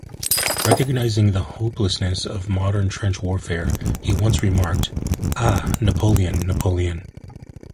Recognizing the hopelessness of modern trench warfare, he once remarked: Ah, Napoleon, Napoleon.